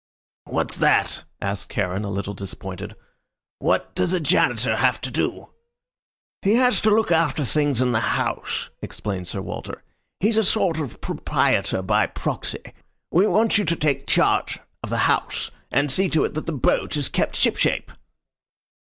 "What's that?" asked Charon, a little disappointed. "What does a Janitor have to do?" "He has to look after things in the house," explained Sir Walter. "He's a sort of proprietor by proxy. We want you to take charge of the house, and see to it that the boat is kept shipshape."